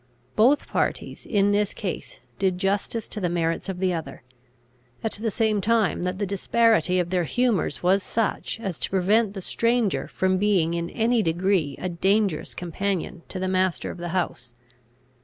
Both parties in this case did justice to the merits of the other; at the same time that the disparity of their humours was such, as to prevent the stranger from being in any degree a dangerous companion to the master of the house.